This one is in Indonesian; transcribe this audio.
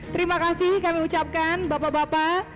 terima kasih kami ucapkan bapak bapak